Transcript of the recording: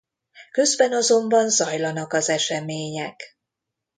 Közben azonban zajlanak az események.